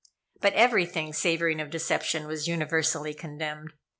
But everything savoring of deception was universally condemned.